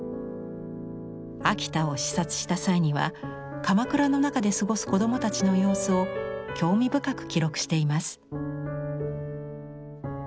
秋田を視察した際にはかまくらの中で過ごす子供たちの様子を興味深く記録しています。